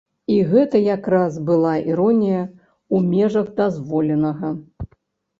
І гэта якраз была іронія ў межах дазволенага.